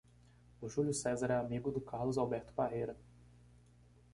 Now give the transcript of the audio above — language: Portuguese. O Júlio César é amigo do Carlos Alberto Parreira.